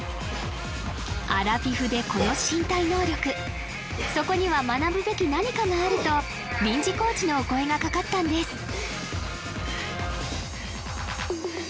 アラフィフでこの身体能力そこには学ぶべき何かがあると臨時コーチのお声がかかったんです